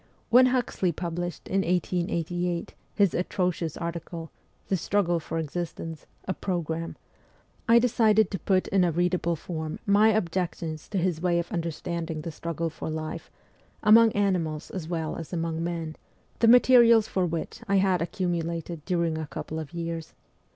When Huxley published in 1888 his atro cious article, ' The Struggle for Existence : a Program,' I decided to put in a readable form my objections to his way of understanding the struggle for life, among animals as well as among men, the materials for which I had accumulated during a couple of years.